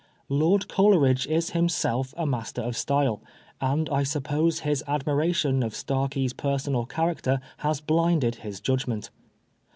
Lord Coleridge is him self a master of style, and I suppose his admiration of Starkie's personal character has blinded his judgment.